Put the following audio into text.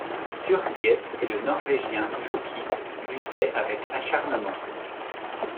Turquiette et le Norwégien Jocki luttaient avec acharnement.